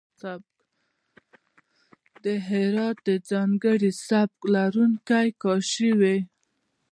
د هرات د ځانګړی سبک لرونکی کاشي وې.